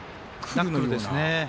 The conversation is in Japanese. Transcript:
ナックルですね。